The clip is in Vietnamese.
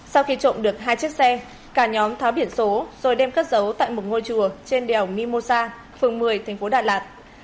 sau khi trụng được hai chiếc xe cả nhóm tháo biển số rồi đem cất giấu tại một ngôi chùa trên đèo mimosa phường một mươi tp đà lạt